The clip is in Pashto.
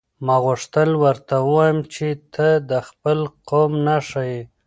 ما غوښتل ورته ووایم چې ته د خپل قوم نښه یې.